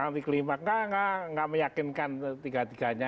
tidak meyakinkan tiga tiganya